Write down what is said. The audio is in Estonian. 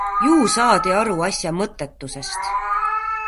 Ju saadi aru asja mõttetusest.